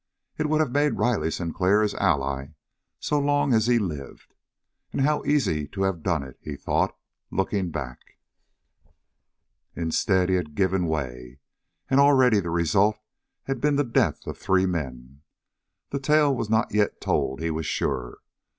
It would have made Riley Sinclair his ally so long as he lived. And how easy to have done it, he thought, looking back. Instead, he had given way; and already the result had been the death of three men. The tale was not yet told, he was sure.